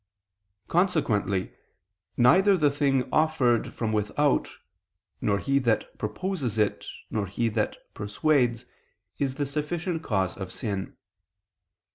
Consequently neither the thing offered from without, nor he that proposes it, nor he that persuades, is the sufficient cause of sin.